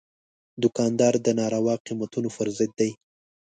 دوکاندار د ناروا قیمتونو پر ضد دی.